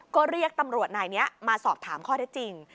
ก็เรียกตำรวจนายนี้มาสอบถามข้อได้จริง